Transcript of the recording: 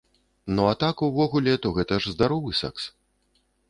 Ну а так увогуле, то гэта ж здаровы сэкс.